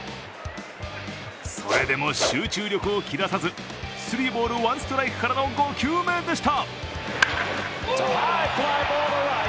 それでも集中力をきらさずスリーボールワンストライクからの５球目でした。